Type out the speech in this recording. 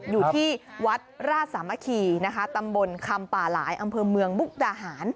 อยู่ที่วัดราชสามัคคีนะคะตำบลคำป่าหลายอำเภอเมืองมุกดาหาร